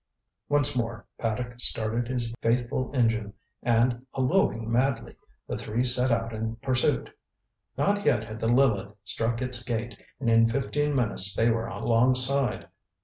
Once more Paddock started his faithful engine, and, hallooing madly, the three set out in pursuit. Not yet had the Lileth struck its gait, and in fifteen minutes they were alongside.